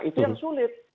itu yang sulit